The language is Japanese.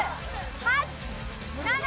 ８・７。